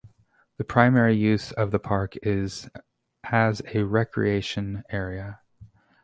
The primary use of the park is as a recreation area.